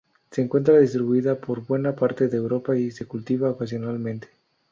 Se encuentra distribuida por buena parte de Europa y se cultiva ocasionalmente.